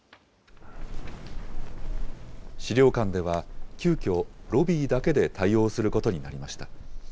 資料館では急きょ、ロビーだけで対応することになりました。